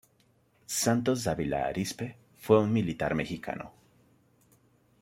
Santos Dávila Arizpe fue un militar mexicano.